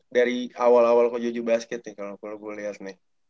dari awal awal ko jojo basket nih kalau gue liat nih